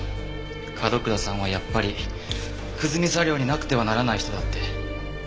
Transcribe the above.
角倉さんはやっぱり久住茶寮になくてはならない人だって。